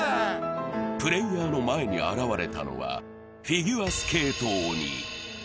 プレーヤーの前に現れたのはフィギュアスケート鬼。